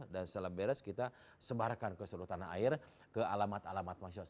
dan setelah beres kita sebarkan ke seluruh tanah air ke alamat alamat masyarakat